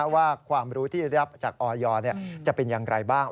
ว่าความรู้ที่ได้รับจากออยจะเป็นอย่างไรบ้าง